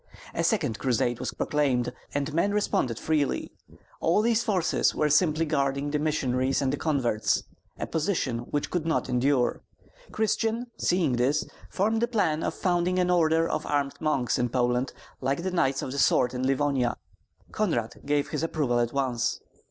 A second crusade was proclaimed, and men responded freely. All these forces were simply guarding the missionaries and the converts, a position which could not endure. Christian, seeing this, formed the plan of founding an order of armed monks in Poland like the Knights of the Sword in Livonia. Konrad gave his approval at once.